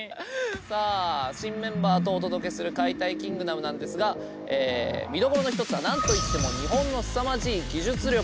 さあ新メンバーとお届けする「解体キングダム」なんですが見どころの一つはなんと言っても日本のすさまじい技術力。